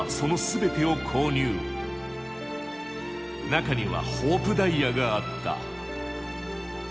中にはホープダイヤがあった。